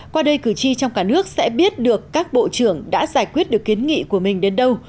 qua đây cử tri trong cả nước sẽ biết được các bộ trưởng đã giải quyết được kiến nghị của mình đến đâu